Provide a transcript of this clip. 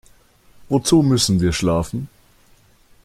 Wozu müssen wir schlafen?